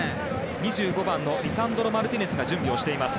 ２５番のリサンドロ・マルティネスが準備しています。